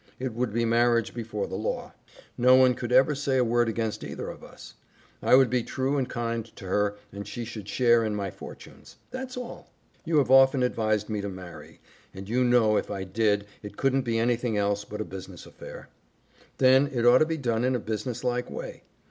It would be marriage before the law. No one could ever say a word against either of us. I would be true and kind to her and she should share in my fortunes. That's all. You have often advised me to marry, and you know if I did it couldn't be anything else but a business affair. Then it ought to be done in a businesslike way.